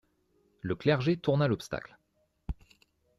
Le clergé tourna l'obstacle.